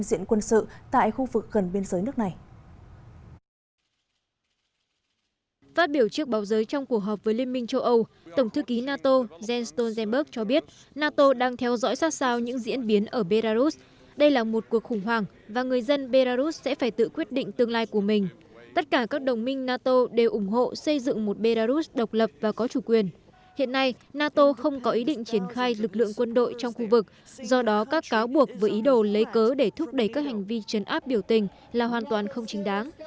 tổng thư ký nato jens stolzenberg cho biết nato đang theo dõi sát sao những diễn biến ở belarus đây là một cuộc khủng hoảng và người dân belarus sẽ phải tự quyết định tương lai của mình tất cả các đồng minh nato đều ủng hộ xây dựng một belarus độc lập và có chủ quyền hiện nay nato không có ý định triển khai lực lượng quân đội trong khu vực do đó các cáo buộc với ý đồ lấy cớ để thúc đẩy các hành vi chấn áp biểu tình là hoàn toàn không chính đáng